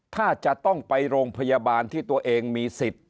ถ้าจะต้องไปโรงพยาบาลที่ตัวเองมีสิทธิ์